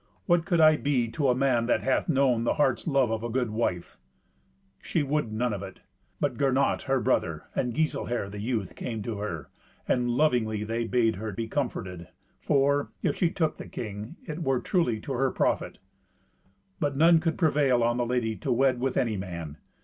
What could I be to a man that hath known the heart's love of a good wife?" She would none of it. But Gernot, her brother, and Giselher the youth, came to her, and lovingly they bade her be comforted, for, if she took the king, it were truly to her profit. But none could prevail on the lady to wed with any man.